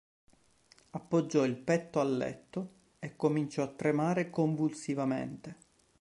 Appoggiò il petto al letto e cominciò a tremare convulsivamente.